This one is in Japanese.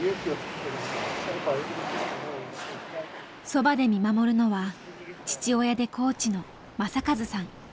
そばで見守るのは父親でコーチの正和さん。